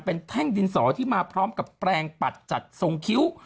เป็นแท่งดินสอที่มาพร้อมกับแปลงปัดจัดทรงคิ้ว